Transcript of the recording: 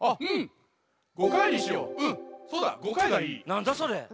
なんだそれ。